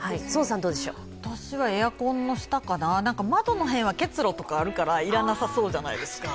私はエアコンの下かな、窓の辺は結露とかあるから要らなさそうじゃないですか。